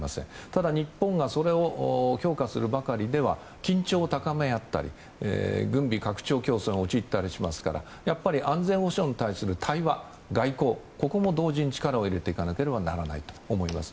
ただ日本がそれを強化するばかりでは緊張を高め合ったり軍備拡張競争に陥ったりしますからやっぱり、安全保障に対する対話、外交ここも同時に力を入れていかなければならないと思います。